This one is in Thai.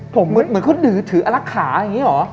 ผมเหมือนเขาดื้อถืออลักขาอย่างนี้เหรอ